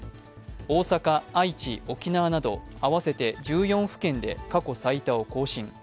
大阪、愛知、沖縄など１４府県で過去最多を更新。